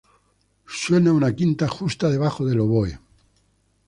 Suena una quinta justa debajo del oboe.